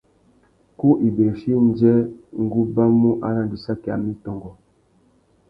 Ku ibirichi indjê, ngu ubamú arandissaki amê i tôngô.